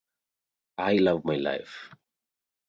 I love my life.